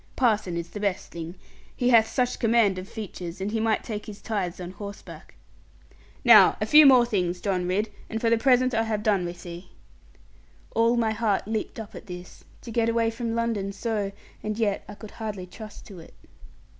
Parson is the best thing, he hath such command of features, and he might take his tithes on horseback. Now a few more things, John Ridd; and for the present I have done with thee.' All my heart leaped up at this, to get away from London so: and yet I could hardly trust to it.